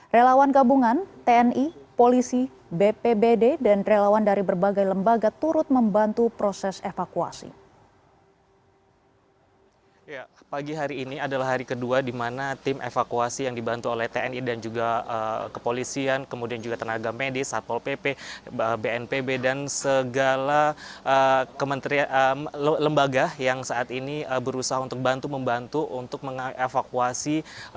relawan gabungan tni polisi bpbd dan relawan dari berbagai lembaga turut membantu proses evakuasi